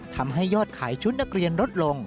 ทำให้ยอดขายชุดนักเรียนลดลง